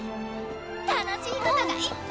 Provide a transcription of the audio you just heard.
楽しい事がいっぱいで！